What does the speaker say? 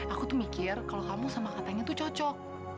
aku tuh mikir kalau kamu sama katanya tuh cocok